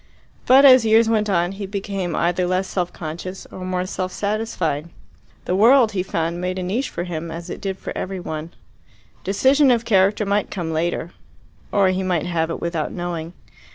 But as years went on he became either less self conscious or more self satisfied. The world, he found, made a niche for him as it did for every one. Decision of character might come later or he might have it without knowing.